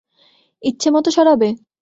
ইচ্ছে মত সরাবে?